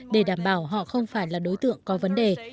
để đảm bảo họ không phải là đối tượng có vấn đề